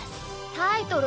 タイトル